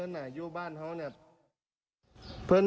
กินกับเบียกินกับเหล่ากินกับเบียกินกับเบีย